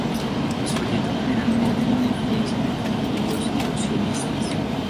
Los folletos generalmente no diferencian entre Judíos y los sionistas.